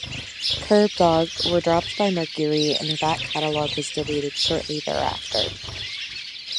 Kerbdog were dropped by Mercury and their back catalog was deleted shortly thereafter.